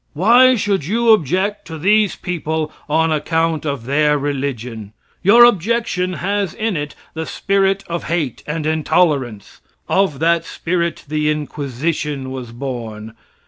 Why should you object to these people on account of their religion? Your objection has in it the spirit of hate and intolerance. Of that spirit the inquisition was born.